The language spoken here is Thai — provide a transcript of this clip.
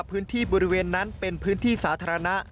พื้นที่บริเวณนั้นเป็นพื้นที่สาธารณะ